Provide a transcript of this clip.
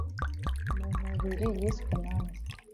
mu nkubiri yiswe nanjye